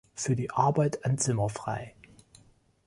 Für die Arbeit an "Zimmer frei!